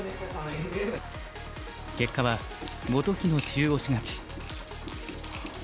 結果は本木の中押し勝ち。